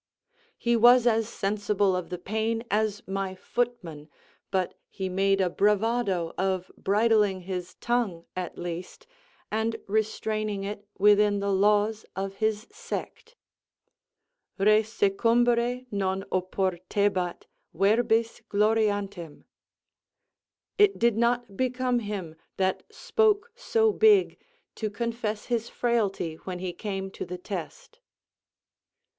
He was as sensible of the pain as my footman, but he made a bravado of bridling his tongue, at least, and restraining it within the laws of his sect: Re succumbere non oportebat, verbis gloriantem. "It did not become him, that spoke so big, to confess his frailty when he came to the test."